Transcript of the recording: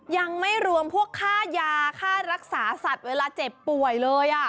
ยังไม่รวมพวกค่ายาค่ารักษาสัตว์เวลาเจ็บป่วยเลย